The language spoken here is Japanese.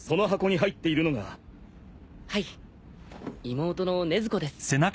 妹の禰豆子です。